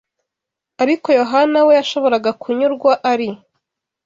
Ariko Yohana we yashoboraga kunyurwa ari